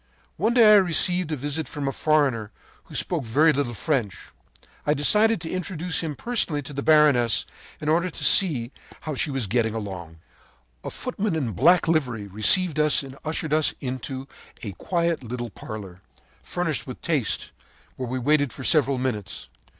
“One day I received a visit from a foreigner who spoke very little French. I decided to introduce him personally to the baroness, in order to see how she was getting along. “A footman in black livery received us and ushered us into a quiet little parlor, furnished with taste, where we waited for several minutes.